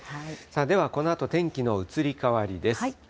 では、このあと天気の移り変わりです。